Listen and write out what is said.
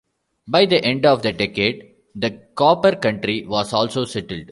By the end of the decade the Cooper country was also settled.